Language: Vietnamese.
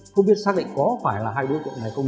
không biết xác định có phải là hai đối tượng này không